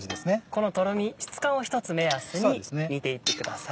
このとろみ質感を一つ目安に煮ていってください。